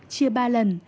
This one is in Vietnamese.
chia ba lần